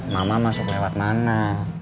mama masuk lewat mana